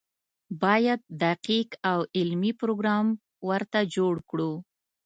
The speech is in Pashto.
باید دقیق او علمي پروګرام ورته جوړ کړو.